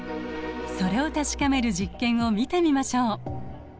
それを確かめる実験を見てみましょう。